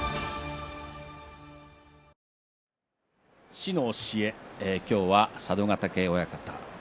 「師の教え」今日は佐渡ヶ嶽親方。